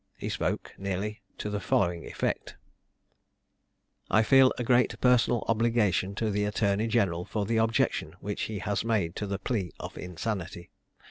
He spoke nearly to the following effect: "I feel great personal obligation to the attorney general for the objection which he has made to the plea of insanity.